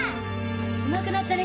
上手くなったね